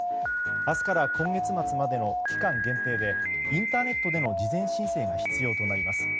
明日から今月末までの期間限定でインターネットでの事前申請が必要になります。